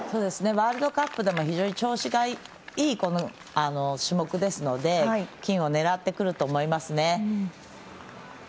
ワールドカップでも非常に調子がいい種目ですので金を狙ってくると思いますね。